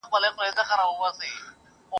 هغه ځای چي تا یې کړي دي نکلونه ..